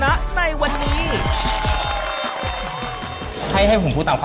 ลาวาไส้ทะลักกันแล้วนะครับ